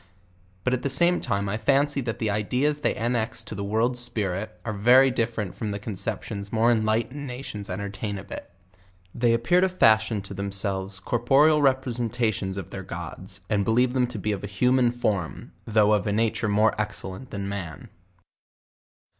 But at the same time I fancy thai the ideas they annex to the word spirit, are very different from the conceptions more enlightened nations entertain of it. They appear to fashion to themselves corporeal representations of their gods, and believe them to be of a human form, though of a nature more excellent than man.